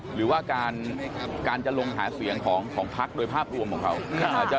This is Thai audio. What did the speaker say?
หรือว่าการจะลงหาเสียงของพักโดยภาพรวมของเขา